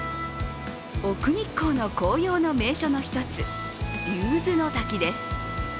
奥日光の紅葉の名所の一つ、竜頭ノ滝です。